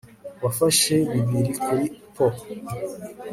Wafashe bibiri kuri poo